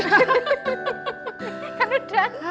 kan udah angkat